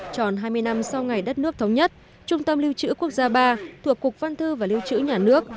tròn hai mươi năm sau ngày đất nước thống nhất trung tâm lưu trữ quốc gia ba thuộc cục văn thư và lưu trữ nhà nước